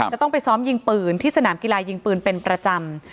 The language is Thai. จะต้องไปซ้อมยิงปืนที่สนามกีฬายิงปืนเป็นประจำ